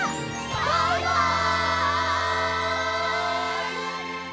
バイバイ！